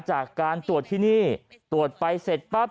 จากการตรวจที่นี่ตรวจไปเสร็จปั๊บ